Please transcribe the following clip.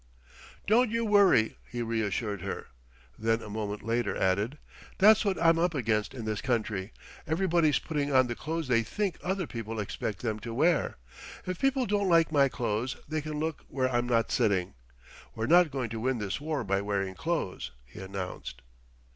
"Don't you worry," he reassured her; then a moment later added, "that's what I'm up against in this country. Everybody's putting on the clothes they think other people expect them to wear. If people don't like my clothes, they can look where I'm not sitting. We're not going to win this war by wearing clothes," he announced.